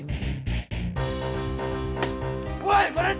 uwal yang robbery